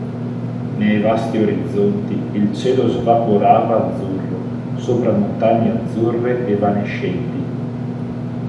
Nei vasti orizzonti il cielo svaporava azzurro sopra montagne azzurre evanescenti.